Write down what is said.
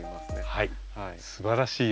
はい。